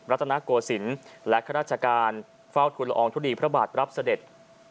รัฐนาโกศิลป์และข้าราชการเฝ้าทุนละอองทุลีพระบาทรับเสด็จ